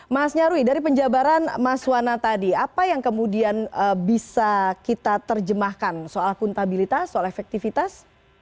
mas nyarwi dari penjabaran mas wana tadi apa yang kemudian bisa kita terjemahkan soal kuntabilitas soal efektivitas